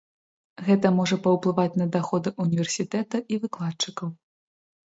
Гэта можа паўплываць на даходы ўніверсітэта і выкладчыкаў.